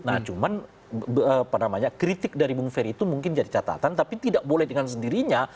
nah cuman kritik dari bung ferry itu mungkin jadi catatan tapi tidak boleh dengan sendirinya